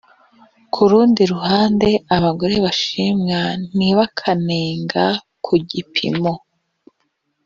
ku rundi ruhande abagore bashima ni bakanenga ku gipimo